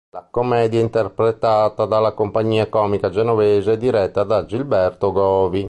La commedia è interpretata dalla Compagnia Comica Genovese diretta da Gilberto Govi.